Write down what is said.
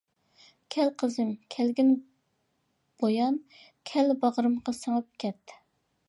-كەل قىزىم، كەلگىن بۇيان، كەل باغرىمغا سىڭىپ كەت.